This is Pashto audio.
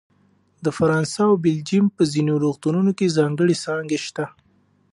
د فرانسه او بلجیم په ځینو روغتونونو کې ځانګړې څانګې شته.